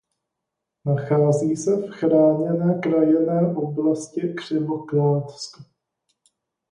Nachází se v chráněné krajinné oblasti Křivoklátsko.